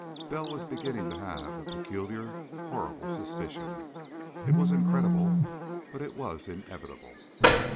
Bell was beginning to have a peculiar, horrible suspicion. It was incredible, but it was inevitable.